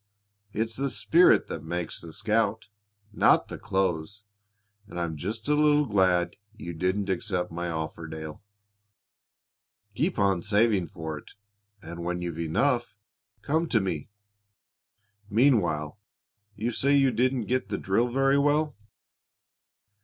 It's the spirit that makes the scout, not clothes, and I'm just a little glad you didn't accept my offer, Dale. Keep on saving for it, and, when you've enough, come to me. Meanwhile you say you didn't get the drill very well?"